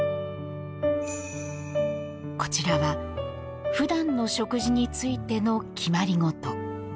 こちらは、ふだんの食事についての決まりごと。